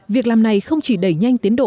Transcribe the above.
việc làm này không chỉ đẩy nhanh tiến độ